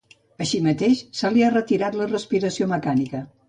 Així mateix, se li ha retirat la respiració mecànica.